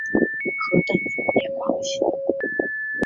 何等疯野狂喜？